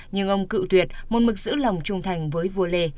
nhưng ông cự tuyệt môn mực giữ lòng trung thành với vua lê